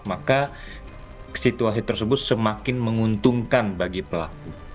maka situasi tersebut semakin menguntungkan bagi pelaku